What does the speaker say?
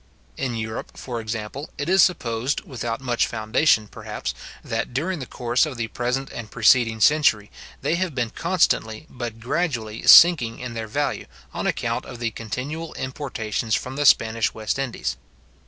In Europe, for example, it is supposed, without much foundation, perhaps, that during the course of the present and preceding century, they have been constantly, but gradually, sinking in their value, on account of the continual importations from the Spanish West Indies.